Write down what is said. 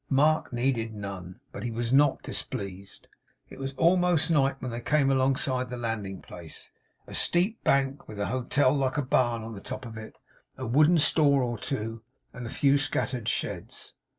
Mark needed none; but he was not displeased. It was almost night when they came alongside the landing place. A steep bank with an hotel like a barn on the top of it; a wooden store or two; and a few scattered sheds.